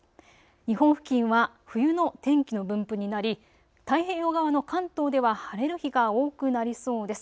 日本付近は冬の天気の分布になり太平洋側の関東では晴れる日が多くなりそうです。